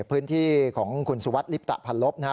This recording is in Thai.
พื้นที่ของคุณสุวรรณลิปตะพันลบนะฮะ